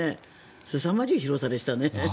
すさまじい広さでしたね。